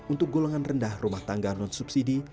untuk golongan rendah rumah tangga non subsidi